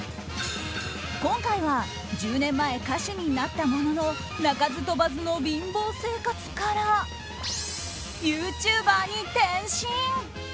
今回は１０年前歌手になったものの鳴かず飛ばずの貧乏生活からユーチューバーに転身！